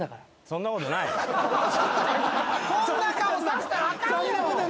そんなことないって！